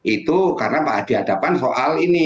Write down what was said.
itu karena dihadapkan soal ini